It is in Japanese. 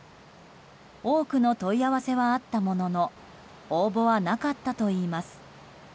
多くの問い合わせはあったものの応募はなかったといいます。